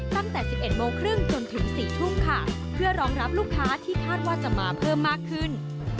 ตั้งแต่๑๑โมงครึ่งจนถึง๔ทุ่มค่ะเพื่อรองรับลูกค้าที่คาดว่าจะมาเพิ่มมากขึ้น